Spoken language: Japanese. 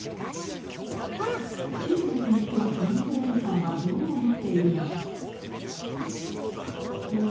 中国に住むインフルエンサーはどう思っているのか。